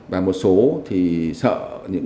và một số thì sợ những phản ứng